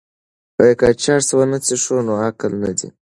که چرس ونه څښو نو عقل نه ځي.